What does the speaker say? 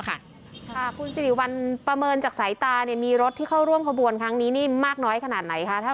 ค่ะคุณสิริวัลประเมินจากสายตามีรถที่เข้าร่วมขบวนครั้งนี้นี่มากน้อยขนาดไหนคะ